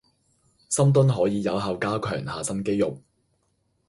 深蹲可以有效加強下身肌肉